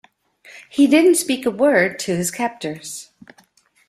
He didn't speak a word to his captors.